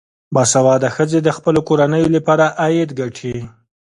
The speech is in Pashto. باسواده ښځې د خپلو کورنیو لپاره عاید ګټي.